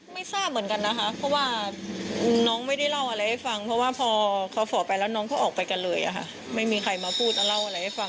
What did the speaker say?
แต่เหมือนว่ารักษาเหมือนว่า